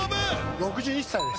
６１歳です。